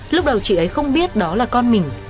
lúc đầu chị ấy không biết đó là con mình